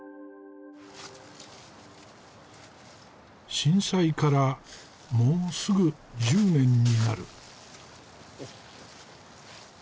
震災からもうすぐ１０年になる。